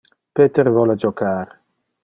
Peter vole jocar.